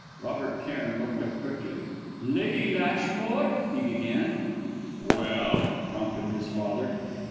Robert Cairn looked up quickly. "Lady Lashmore," he began "Well?" prompted his father.